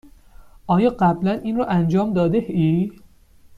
آیا قبلا این را انجام داده ای؟